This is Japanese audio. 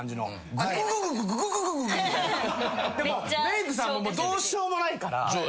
メークさんもどうしようもないから。